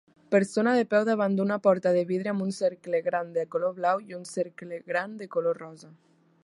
Persona de peu davant d"una porta de vidre amb un cercle gran de color blau i un cercle gran de color rosa.